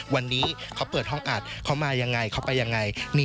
วันนี้เขาเปิดห้องอัดเขามายังไงเขาไปยังไง